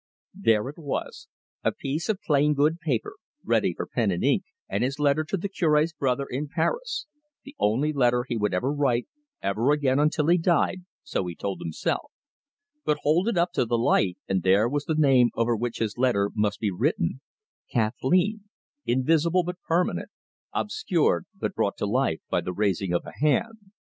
There it was, a piece of plain good paper, ready for pen and ink and his letter to the Cure's brother in Paris the only letter he would ever write, ever again until he died, so he told himself; but hold it up to the light and there was the name over which his letter must be written Kathleen, invisible but permanent, obscured, but brought to life by the raising of a hand.